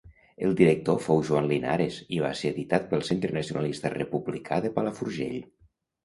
El director fou Joan Linares i va ser editat pel Centre Nacionalista Republicà de Palafrugell.